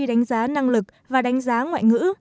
đánh giá năng lực và đánh giá ngoại ngữ